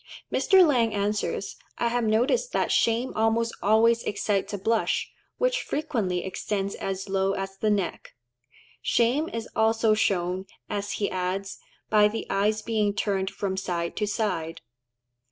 Mr. Lang answers, "I have noticed that shame almost always excites a blush, which frequently extends as low as the neck." Shame is also shown, as he adds, "by the eyes being turned from side to side."